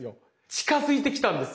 近づいてきたんですよ。